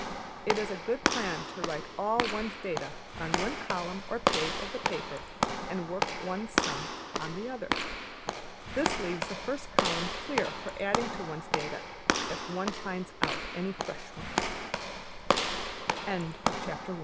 It is a good plan to write all one's data on one column or page of the paper and work one's sum on the other. This leaves the first column clear for adding to one's data if one